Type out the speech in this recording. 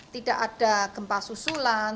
tidak ada gempa susulan